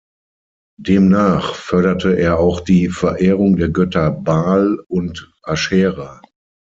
Demnach förderte er auch die Verehrung der Götter Baal und Aschera.